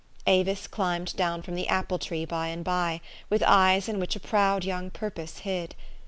Avis climbed down from the apple tree by and by, with eyes in which a proud young purpose hid.